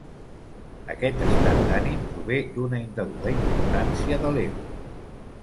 Aquest estat d'ànim prové d'una indeguda importància de l'ego.